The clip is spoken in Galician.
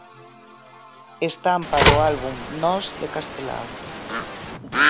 Estampa do álbum 'Nós' de Castelao.